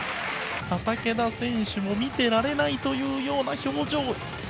畠田選手も見ていられないというような表情。